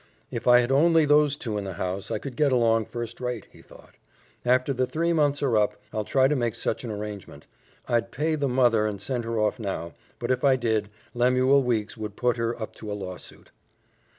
"If I had only those two in the house, I could get along first rate," he thought. "After the three months are up, I'll try to make such an arrangement. I'd pay the mother and send her off now, but if I did, Lemuel Weeks would put her up to a lawsuit."